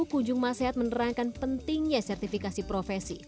kunjung mas sehat menerangkan pentingnya sertifikasi profesi